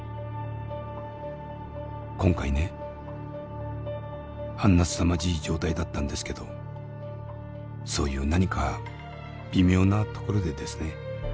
「今回ねあんなすさまじい状態だったんですけどそういう何か微妙なところでですね